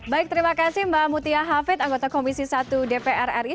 baik terima kasih mbak mutia hafid anggota komisi satu dpr ri